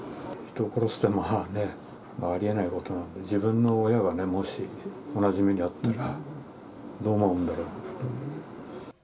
人を殺すってのはね、ありえないことなので、自分の親がね、もし同じ目に遭ったらどう思うんだろうと。